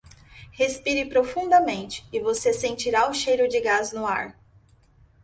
Respire profundamente e você sentirá o cheiro de gás no ar.